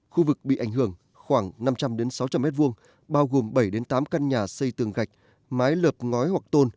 khu vực bị ảnh hưởng khoảng năm trăm linh sáu trăm linh m hai bao gồm bảy tám căn nhà xây tường gạch mái lợp ngói hoặc tôn